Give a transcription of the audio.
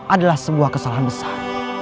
adalah sebuah kesalahan besar